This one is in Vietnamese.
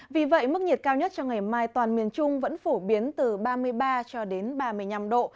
vì vậy mức nhiệt cao nhất cho ngày mai toàn miền trung vẫn phổ biến từ ba mươi ba cho đến ba mươi năm độ